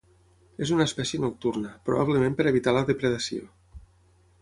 És una espècie nocturna, probablement per evitar la depredació.